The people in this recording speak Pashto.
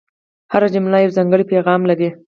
هره جمله یو ځانګړی پیغام لري.